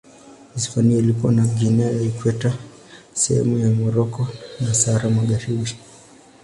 Hispania ilikuwa na Guinea ya Ikweta, sehemu za Moroko na Sahara Magharibi.